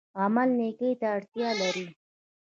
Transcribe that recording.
عمل نیکۍ ته اړتیا لري